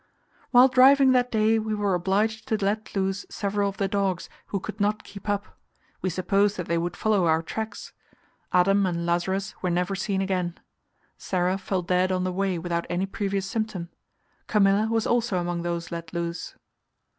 While driving that day we were obliged to let loose several of the dogs, who could not keep up; we supposed that they would follow our tracks. Adam and Lazarus were never seen again. Sara fell dead on the way without any previous symptom. Camilla was also among those let loose.